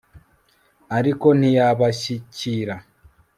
ariko ntiyabashyikira